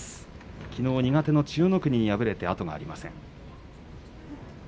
きのう苦手の千代の国に敗れて後がありません。